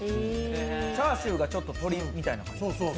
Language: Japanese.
チャーシューがちょっと鶏みたいな感じですね。